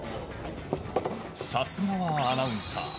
さすがはアナウンサー。